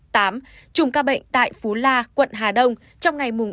tám trùm ca bệnh tại phú la quận hà nội ghi nhận sáu ca mắc mới